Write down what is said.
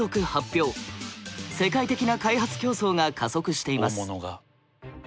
世界的な開発競争が加速しています。